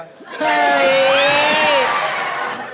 อ้อเฮ้ย